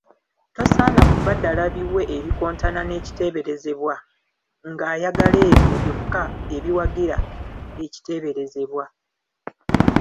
Tosaana kubadala biwe ebikontana n’ekiteeberezebwa ng’ayagala ebyo byokka eibwagira ekiteeberezebwa.